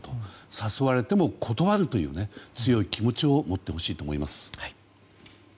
誘われても断るという強い気持ちを持ってほしいと思います。